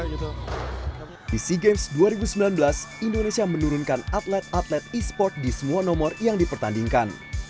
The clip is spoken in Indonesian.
di sea games dua ribu sembilan belas indonesia menurunkan atlet atlet e sport di semua nomor yang dipertandingkan